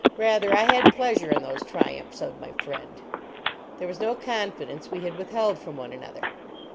Rather, I had pleasure in those triumphs of my friend. There was no confidence we had withheld from one another.